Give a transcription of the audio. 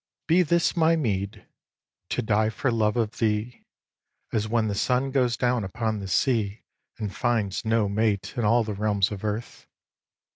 vii. Be this my meed, to die for love of thee, As when the sun goes down upon the sea And finds no mate in all the realms of earth.